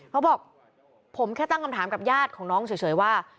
เขาบอกผมแค่ตั้งคำถามกับญาติของน้องเฉยว่า